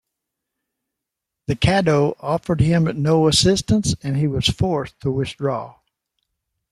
The Caddo offered him no assistance, and he was forced to withdraw.